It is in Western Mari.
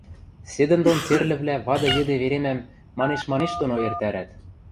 Седӹндон церлӹвлӓ вады йӹде веремӓм «манеш-манеш» доно эртӓрӓт.